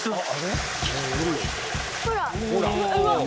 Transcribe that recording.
ほら！